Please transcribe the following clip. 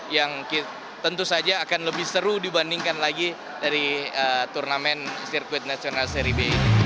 yang tentu saja akan lebih seru dibandingkan lagi dari turnamen sirkuit nasional seri b